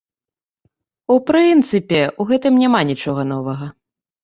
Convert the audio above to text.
У прынцыпе, у гэтым няма нічога новага.